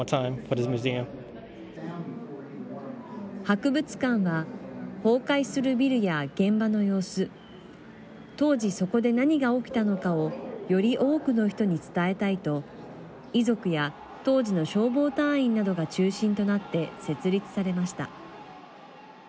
博物館は崩壊するビルや現場の様子当時、そこで何が起きたのかをより多くの人に伝えたいと遺族や当時の消防隊員などが中心となって設立されました。